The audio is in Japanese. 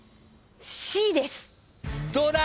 どうだ？